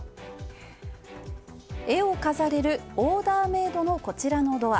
絵を飾れるオーダーメイドのこちらのドア。